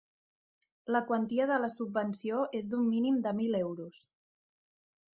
La quantia de la subvenció és d'un mínim de mil euros.